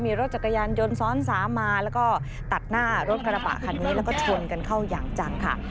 มีรถจักรยานยนต์ซ้อน๓มาแล้วก็ตัดหน้ารถกระบะคันนี้แล้วก็ชนกันเข้าอย่างจังค่ะ